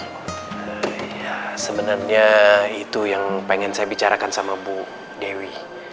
ya sebenarnya itu yang pengen saya bicarakan sama bu dewi